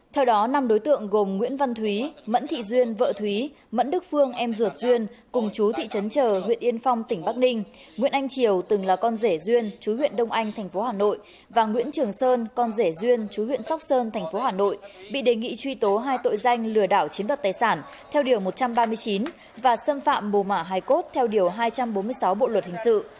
theo đó năm đối tượng gồm nguyễn văn thúy mẫn thị duyên vợ thúy mẫn đức phương em duột duyên cùng chú thị trấn trờ huyện yên phong tỉnh bắc ninh nguyễn anh triều từng là con rể duyên chú huyện đông anh thành phố hà nội và nguyễn trường sơn con rể duyên chú huyện sóc sơn thành phố hà nội bị đề nghị truy tố hai tội danh lừa đảo chiến đoạt tài sản theo điều một trăm ba mươi chín và xâm phạm bồ mạ hai cốt theo điều hai trăm bốn mươi sáu bộ luật hình sự